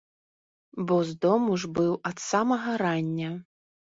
Бо з дому ж быў ад самага рання.